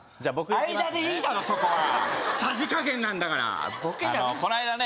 相田でいいだろそこはさじ加減なんだからこないだね